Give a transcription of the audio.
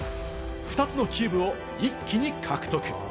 ２つのキューブを一気に獲得。